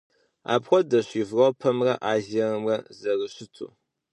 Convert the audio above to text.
Апхуэдэщ Европэмрэ Азиемрэ зэрыщыту.